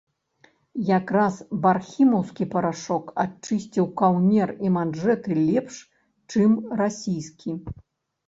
Якраз бархімаўскі парашок адчысціў каўнер і манжэты лепш, чым расійскі.